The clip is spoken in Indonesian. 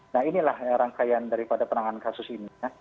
nah inilah rangkaian daripada penanganan kasus ini